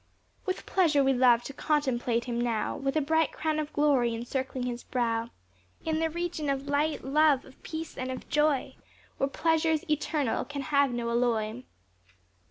With pleasure we love to contemplate him now, With a bright crown of Glory, encircling his brow, In the region of light, love, peace, and of joy, Where pleasures eternal can have no alloy.